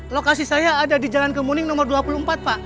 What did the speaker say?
lokasi saya ada di jalan kemuning nomor dua puluh empat pak